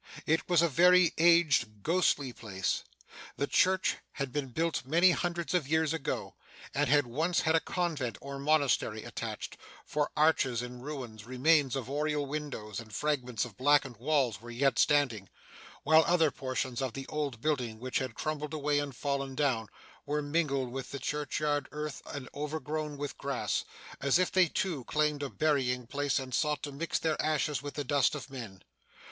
It was a very aged, ghostly place; the church had been built many hundreds of years ago, and had once had a convent or monastery attached; for arches in ruins, remains of oriel windows, and fragments of blackened walls, were yet standing; while other portions of the old building, which had crumbled away and fallen down, were mingled with the churchyard earth and overgrown with grass, as if they too claimed a burying place and sought to mix their ashes with the dust of men.